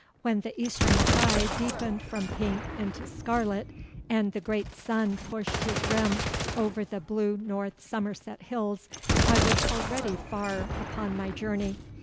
When the eastern sky deepened from pink into scarlet, and the great sun pushed his rim over the blue north Somerset hills, I was already far upon my journey.